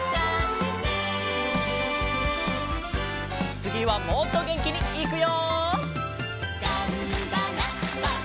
つぎはもっとげんきにいくよ！